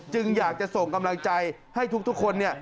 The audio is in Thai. อยากจะส่งกำลังใจให้ทุกคน